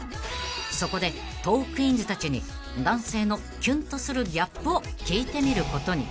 ［そこでトークィーンズたちに男性のキュンとするギャップを聞いてみることに］